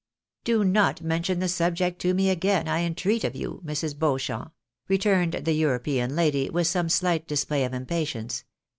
" Do not mention the subject to me again, I entreat of you, Mrs. Beauchamp," returned the European lady, with some shght display of impatience.